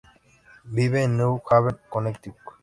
Vive en New Haven, Connecticut.